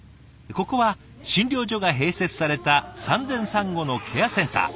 ここは診療所が併設された産前産後のケアセンター。